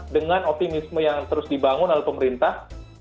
dengan optimisme yang terus dibangun oleh pemerintah